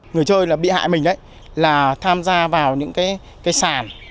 người chơi bị hại mình là tham gia vào những cái sàn